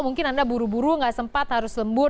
mungkin anda buru buru nggak sempat harus lembur